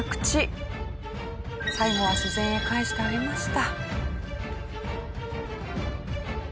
最後は自然へ返してあげました。